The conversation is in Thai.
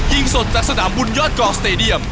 ยิงสดจากสนามบุญยอดกองสเตดียม